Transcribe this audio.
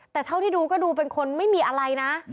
แต่เท่านี่รูเป็นคนไม่มีอะไรนะ